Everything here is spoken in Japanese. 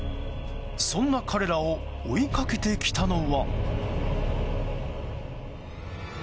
そんな彼らを追いかけてきたのは。